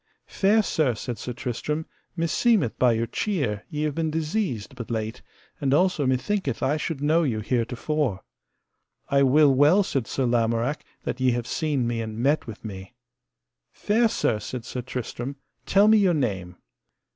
Fair sir, said Sir Tristram, meseemeth by your cheer ye have been diseased but late, and also methinketh I should know you heretofore. I will well, said Sir Lamorak, that ye have seen me and met with me. Fair sir, said Sir Tristram, tell me your name.